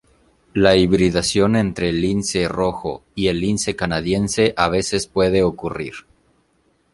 La hibridación entre el lince rojo y el lince canadiense a veces puede ocurrir.